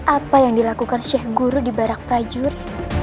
apa yang dilakukan sheikh guru di barak prajurit